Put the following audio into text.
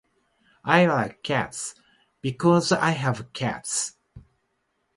I like cats. Because I have cats.